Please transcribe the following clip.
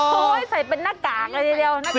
โอ้โหโอ้ยหนูแตะนี้เลยอ่อโอ้ยใส่เป็นหน้ากากเลยเร็วหน้ากากอะไร